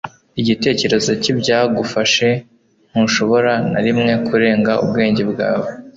igitekerezo cyibyagufashe ntushobora na rimwe kurenga ubwenge bwawe